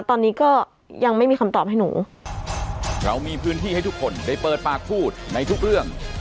ตอนนี้ก็ยังไม่มีคำตอบให้หนู